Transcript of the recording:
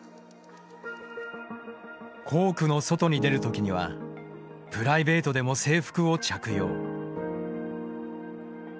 校区の外に出るときにはプライベートでも制服を着用。